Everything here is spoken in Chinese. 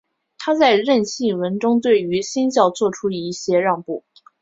他在认信文中对于新教做出一些让步。